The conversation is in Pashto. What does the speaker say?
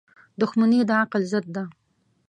• دښمني د عقل ضد ده.